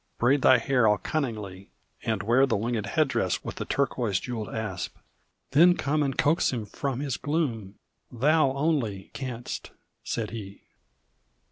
Braid thy hair all cunningly, And wear the winged head dress with the turquois jewelled asp Then come and coax him from his gloom. Thou only canst," said he.